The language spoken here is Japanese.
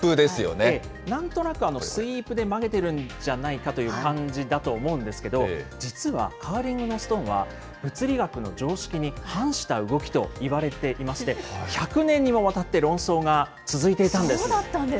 なんとなくスイープで曲げてるんじゃないかという感じだと思うんですけど、実は、カーリングのストーンは、物理学の常識に反した動きといわれていまして、１００年にもわたって論争が続いていたんです。